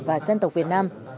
và dân tộc việt nam